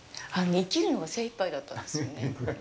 生きるのが精いっぱいだったんですよね。